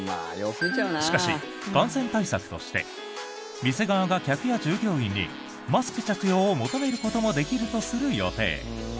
しかし、感染対策として店側が客や従業員にマスク着用を求めることもできるとする予定。